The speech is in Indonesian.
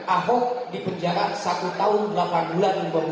ahok dipenjara satu tahun delapan bulan dua belas hari